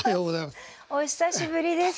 お久しぶりです。